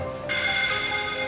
ini udah jadi sayembara nasional